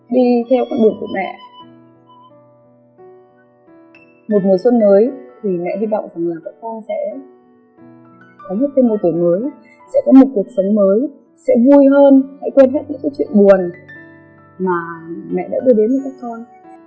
đi theo con đường của mẹ một mùa xuân mới thì mẹ hy vọng rằng là các con sẽ có một tương lai tuổi mới sẽ có một cuộc sống mới sẽ vui hơn hãy quên hết những chuyện buồn mà mẹ đã đưa đến cho các con